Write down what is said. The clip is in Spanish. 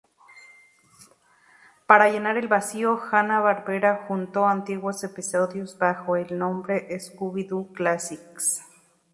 Para llenar el vacío, Hanna-Barbera juntó antiguos episodios bajo el nombre "Scooby-Doo Classics".